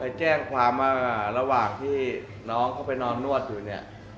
แจ้งความว่าระหว่างที่น้องเขาไปนอนนวดอยู่เนี่ย